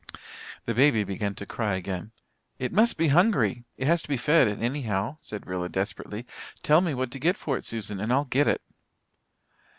The baby began to cry again. "It must be hungry it has to be fed anyhow," said Rilla desperately. "Tell me what to get for it, Susan, and I'll get it."